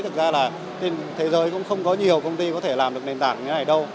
thực ra là trên thế giới cũng không có nhiều công ty có thể làm được nền tảng như thế này đâu